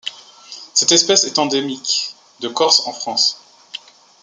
Cette espèce est endémique de Corse en France.